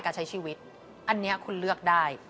การใช้ชีวิตอันนี้คุณเลือกได้